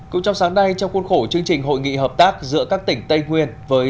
cũng trong sáng nay trong khuôn khổ chương trình hội nghị hợp tác giữa các tỉnh tây nguyên với